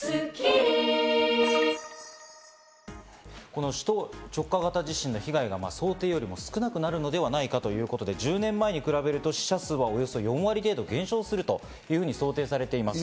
この首都直下型地震の被害が想定よりも少なくなるのではないかということで、１０年前に比べると、死者数はおよそ４割程度減少するというふうに想定されています。